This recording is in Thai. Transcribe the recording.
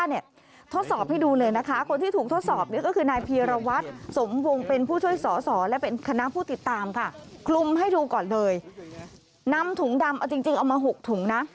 ให้ดูก่อนเลยนำถุงดำเอาจริงเอามาหุกถุงนะ